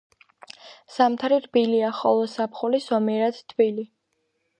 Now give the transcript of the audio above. ზამთარი რბილია, ხოლო ზაფხული ზომიერად თბილი.